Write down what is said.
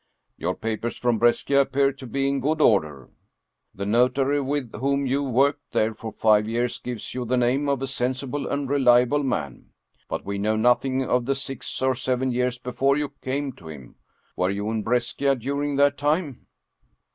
" Your papers from Brescia appear to be in good order. The notary with whom you worked there for five years gives you the name of a sensible and reliable man. But we know nothing of the six or seven years before you came to him. Were you in Brescia during that time?"